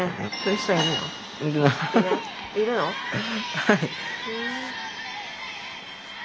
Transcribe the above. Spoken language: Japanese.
はい。